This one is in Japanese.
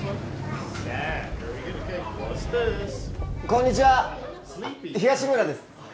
こんにちは東村です